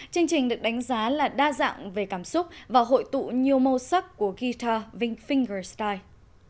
chương trình được đánh giá là đa dạng về cảm xúc và hội tụ nhiều màu sắc của guitar vinh sky